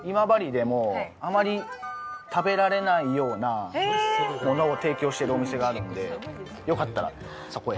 でも、あまり食べられないようなものを提供しているお店があるんで、よかったら、そこへ。